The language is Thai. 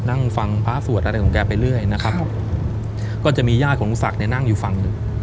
นั่งฟังพระสวดอะไรของแกไปเรื่อยนะครับก็จะมีญาติของลุงศักดิ์เนี่ยนั่งอยู่ฝั่งหนึ่ง